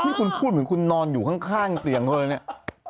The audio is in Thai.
นี่คุณพูดเหมือนคุณนอนอยู่ข้างเสียงเลยเนี่ย